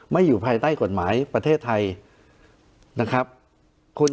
ไม่อยู่ภายใต้กฎหมายประเทศไทย